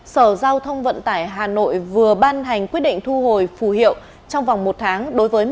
sở giao thông vận tải hà nội vừa ban hành quyết định thu hồi phù hiệu trong vòng một tháng đối với